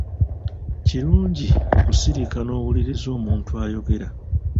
Kirungi okusirika n'owuliriza omuntu ayogera.